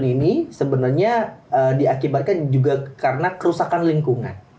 ini sebenarnya diakibatkan juga karena kerusakan lingkungan